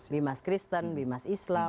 bimas kristen bimas islam